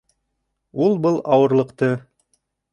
Ул был ауырлыҡты